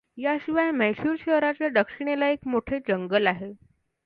याशिवाय म्हैसूर शहराच्या दक्षिणेला एक मोठे जंगल आहे.